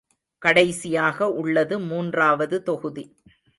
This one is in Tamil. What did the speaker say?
கடைசியாக உள்ளது மூன்றாவது தொகுதி.